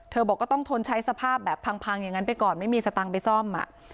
บอกก็ต้องทนใช้สภาพแบบพังอย่างนั้นไปก่อนไม่มีสตังค์ไปซ่อม